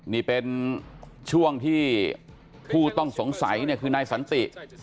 นี่เป็นช่วงที่ผู้ต้องสงสัยเนี่ยคือนายสันติ